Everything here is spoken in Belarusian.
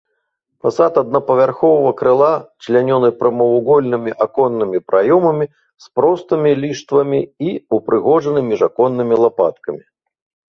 Фасад аднапавярховага крыла члянёны прамавугольнымі аконнымі праёмамі з простымі ліштвамі і ўпрыгожаны міжаконнымі лапаткамі.